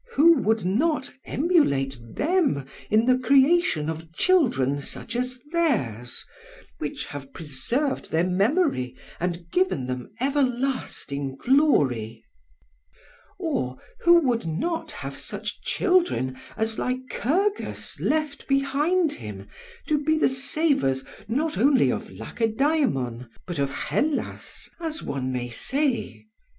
Who would not emulate them in the creation of children such as theirs, which have preserved their memory and given them everlasting glory? Or who would not have such children as Lycurgus left behind him to be the saviours not only of Lacedaemon, but of Hellas, as one may say?